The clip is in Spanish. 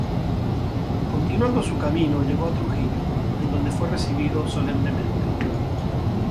Continuando su camino llegó a Trujillo, en donde fue recibido solemnemente.